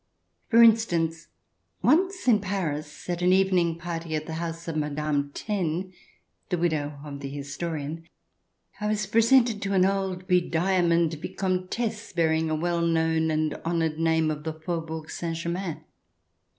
For instance, once in Paris, at an evening party at the house of Madame Taine, the widow of the historian, I was presented to an old, be diamonded Vicomtesse bearing a well known and honoured name of the Faubourg St. Germain.